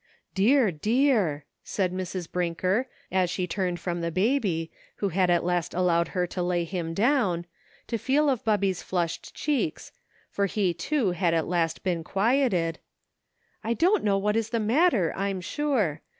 "Dear, dear!" said Mrs. Brinker, as she turned from the baby, who had at last allowed her to lay him down, to feel of Bubby's flushed cheeks, for he too had at last been quieted, "I don't know what is the matter, I'm sure.